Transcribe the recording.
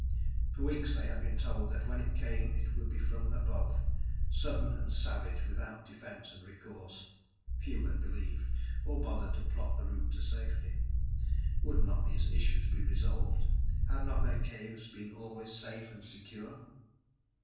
For weeks, they had been told that when it came it would be from above, sudden and savage without defense or recourse. Few had believed, or bothered to plot the route to safety. Would not these issues be resolved? Had not their caves been always safe and secure?